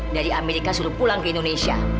dari amerika suruh pulang ke indonesia